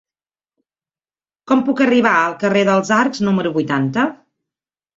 Com puc arribar al carrer dels Arcs número vuitanta?